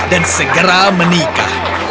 dan segera menikah